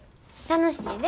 楽しいで。